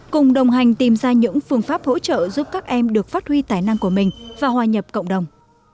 cùng đồng hành tìm ra những phương pháp hỗ trợ giúp các em được phát huy tài năng của mình và hòa nhập cộng đồng